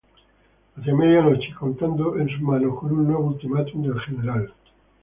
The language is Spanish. Hacia medianoche -y contando en sus manos con un nuevo ultimátum del Gral.